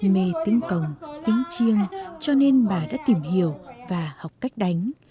mê tiếng còng tiếng chiêng cho nên bà đã tìm hiểu và học cách đánh